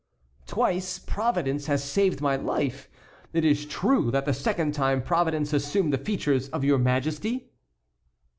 "Twice Providence has saved my life. It is true that the second time Providence assumed the features of your Majesty?"